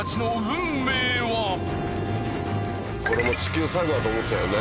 これもう地球最後だと思っちゃうよね。